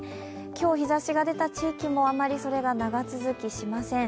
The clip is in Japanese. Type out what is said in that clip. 今日日ざしが出た地域も、あまりそれが長続きしません。